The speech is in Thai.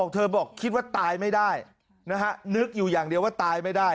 เธอบอกคิดว่าตายไม่ได้นะฮะนึกอยู่อย่างเดียวว่าตายไม่ได้